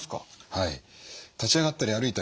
はい。